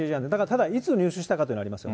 ただ、いつ入手したかというのはあります。